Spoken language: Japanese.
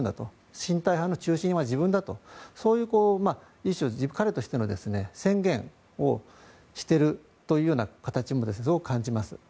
親台派の中心は自分だとそういう一種、彼を軸とした宣言をしているというような形もすごく感じます。